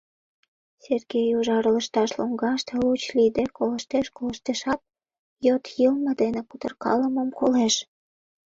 Сергей ужар лышташ лоҥгаште луч лийде колыштеш-колыштешат, йот йылме дене кутыркалымым колеш.